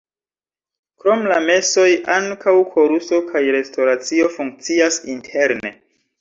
Krom la mesoj ankaŭ koruso kaj restoracio funkcias interne.